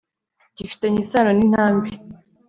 gifitanye isano n'intambi